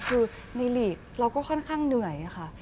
คือในหลีกเราก็ค่อนข้างเหนื่อยค่ะ